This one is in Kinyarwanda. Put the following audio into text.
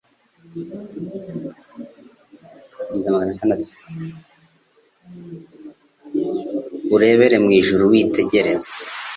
urebere mu ijuru witegereze